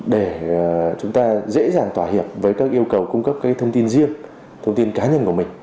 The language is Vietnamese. để chúng ta dễ dàng tỏa hiệp với các yêu cầu cung cấp cái thông tin riêng thông tin cá nhân của mình